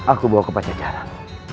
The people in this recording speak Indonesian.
aku bawa ke pacaran